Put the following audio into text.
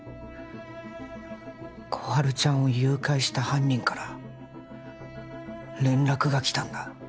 心春ちゃんを誘拐した犯人から連絡が来たんだ